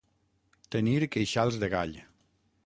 Tenir queixals de gall.